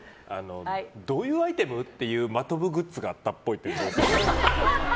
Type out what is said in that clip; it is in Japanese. どういうアイテム？っていう真飛グッズがあったっぽい。